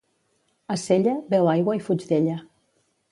A Sella, beu aigua i fuig d'ella